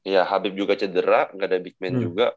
ya habib juga cedera gak ada big man juga